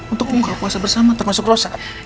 untuk buka puasa bersama termasuk rosa